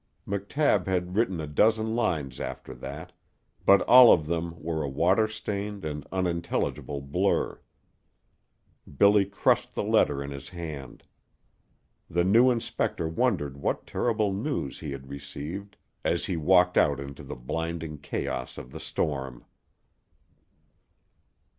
McTabb had written a dozen lines after that, but all of them were a water stained and unintelligible blur. Billy crushed the letter in his hand. The new inspector wondered what terrible news he had received as he walked out into the blinding chaos of the storm.